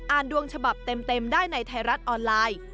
ดวงฉบับเต็มได้ในไทยรัฐออนไลน์